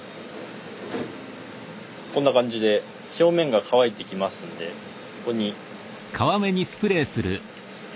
こんな感じで表面が乾いてきますんでここに。